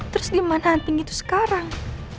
terus di mana hunting itu sekarang